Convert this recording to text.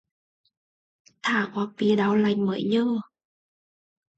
Thảng hoặc bị đau lạnh mới nhờ